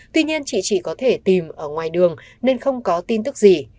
tuy nhiên chị chỉ có thể tìm ở ngoài đường nên không có tin tức gì